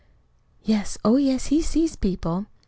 "Yes, oh, yes, he sees people."